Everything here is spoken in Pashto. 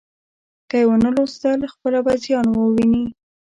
که یې ونه ولوستل، خپله به زیان وویني.